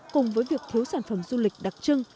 cùng với việc thiếu sản phẩm du lịch đặc trưng